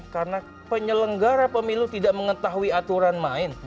karena penyelenggara pemilu tidak mengetahui aturan main